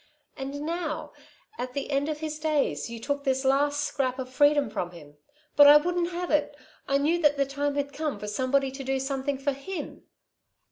"And now at the end of his days you took this last scrap of freedom from him. But I wouldn't have it. I knew that the time had come for somebody to do something for him."